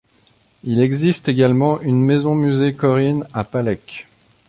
Il existe également une maison-musée Korine à Palekh.